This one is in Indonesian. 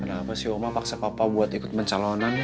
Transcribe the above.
kenapa sih oma paksa papa buat ikut mencalonan